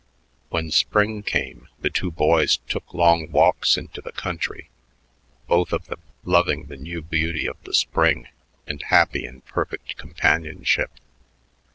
When spring came, the two boys took long walks into the country, both of them loving the new beauty of the spring and happy in perfect companionship.